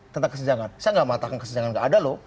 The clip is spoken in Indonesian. tentang kesejangan saya gak mengatakan kesejangan gak ada loh